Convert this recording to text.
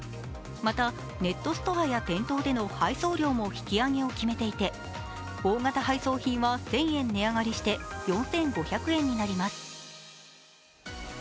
またネットストアや店頭での値上げも決めていて大型配送品は１０００円値上がりして４５００円になります。